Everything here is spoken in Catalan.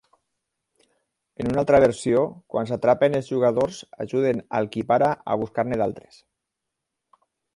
En una altra versió, quan s'atrapen els jugadors ajuden al qui para a buscar-ne d'altres.